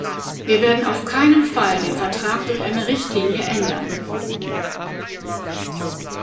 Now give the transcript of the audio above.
Wir werden auf keinen Fall den Vertrag durch eine Richtlinie ändern.